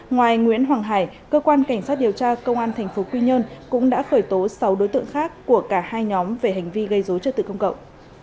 ngoài nguyễn hoàng hải cơ quan cảnh sát điều tra công an tp quy nhơn cũng đã khởi tố sáu đối tượng khác của cả hai nhóm về hành vi gây dối trật tự công cộng